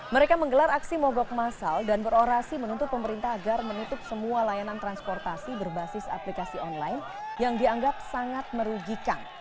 mereka menggelar aksi mogok masal dan berorasi menuntut pemerintah agar menutup semua layanan transportasi berbasis aplikasi online yang dianggap sangat merugikan